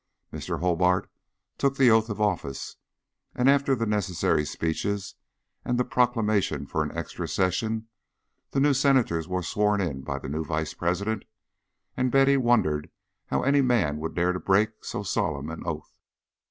Mr. Hobart took the oath of office, and after the necessary speeches and the proclamation for an Extra Session, the new Senators were sworn in by the new Vice President, and Betty wondered how any man would dare to break so solemn an oath.